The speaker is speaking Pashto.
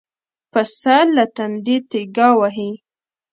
پسه له تندې تيګا وهي.